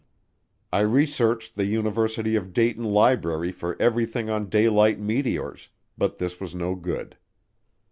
I researched the University of Dayton library for everything on daylight meteors, but this was no good.